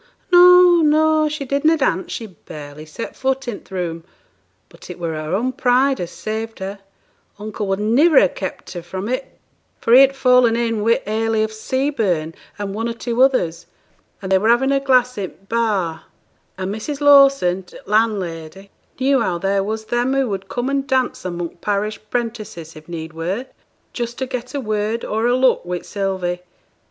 "' 'No, no, she did na' dance; she barely set foot i' th' room; but it were her own pride as saved her; uncle would niver ha' kept her from it, for he had fallen in wi' Hayley o' Seaburn and one or two others, and they were having a glass i' t' bar, and Mrs. Lawson, t' landlady, knew how there was them who would come and dance among parish 'prentices if need were, just to get a word or a look wi' Sylvie!